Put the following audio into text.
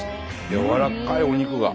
やわらかいお肉が。